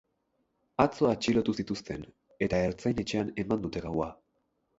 Atzo atxilotu zituzten, eta ertzain-etxean eman dute gaua.